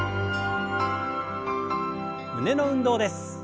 胸の運動です。